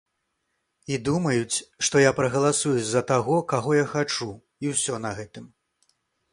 І думаюць, што я прагаласую за таго, каго я хачу, і ўсё на гэтым.